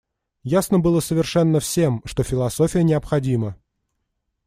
Ясно было совершенно всем, что философия необходима.